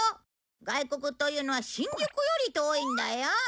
外国というのは新宿より遠いんだよ。